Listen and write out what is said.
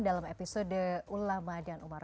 dalam episode ulama dan umar